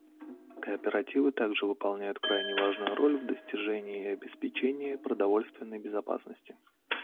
Кооперативы также выполняют крайне важную роль в достижении и обеспечении продовольственной безопасности.